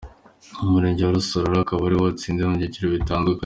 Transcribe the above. Umurenge wa Rusororo akaba ari wo watsinze mu byiciro bitandukanye.